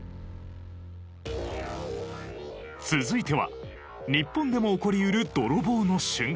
続いては日本でも起こり得る泥棒の瞬間。